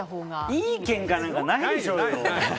いいけんかなんかないでしょうよ。